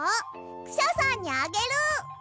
クシャさんにあげる！